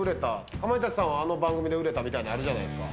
かまいたちさんはあの番組で売れたみたいなのあるじゃないですか。